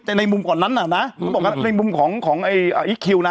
แต่ในมุมก่อนนั้นน่ะนะเขาบอกว่าในมุมของอีคคิวนะ